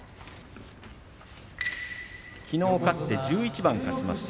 きのう勝って１１番勝ちました。